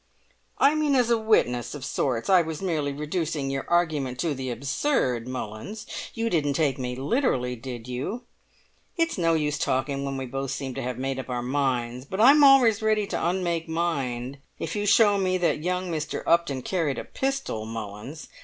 "I mean as a witness of sorts. I was merely reducing your argument to the absurd, Mullins; you didn't take me literally, did you? It's no use talking when we both seem to have made up our minds; but I'm always ready to unmake mine if you show me that young Mr. Upton carried a pistol, Mullins!